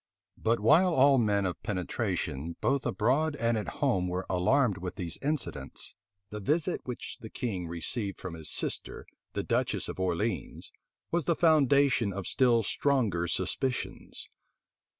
But while all men of penetration, both abroad and at home were alarmed with these incidents, the visit which the king received from his sister, the duchess of Orleans, was the foundation of still stronger suspicions.